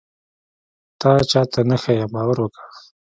تا چاته نه ښيم باور وکه.